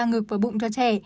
tăng ngực và bụng cho trẻ